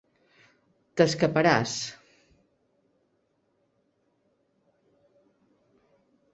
T'escaparàs.